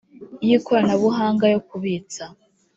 y ikoranabuhanga yo kubitsa